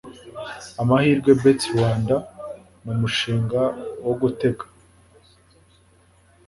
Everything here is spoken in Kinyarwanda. Amahirwe Bets Rwanda numushinga wo gutega